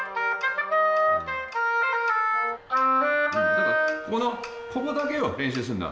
だからこのここだけを練習するんだ。